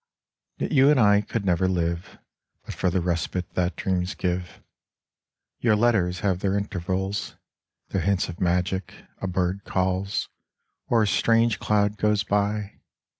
Yet you and I could never live But for the respite that dreams give. Your letters have their intervals, Their hints of magic : a bird calls Or a strange cloud goes by.